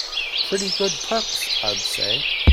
Pretty good perks, I'd say.